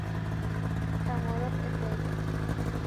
Komarov; Fl.